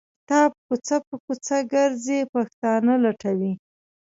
کتاب کوڅه په کوڅه ګرځي پښتانه لټوي.